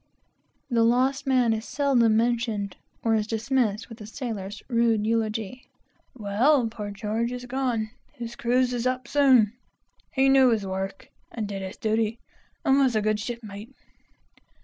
The lost man is seldom mentioned, or is dismissed with a sailor's rude eulogy "Well, poor George is gone! His cruise is up soon! He knew his work, and did his duty, and was a good shipmate."